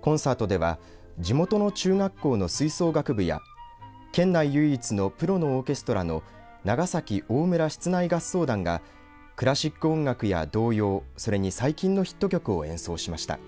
コンサートでは地元の中学校の吹奏楽部や県内唯一のプロのオーケストラの長崎ＯＭＵＲＡ室内合奏団がクラシック音楽や童謡それに最近のヒット曲を演奏しました。